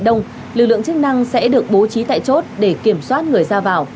đông lưu lượng chức năng sẽ được bố trí tại chốt để kiểm soát người ra vào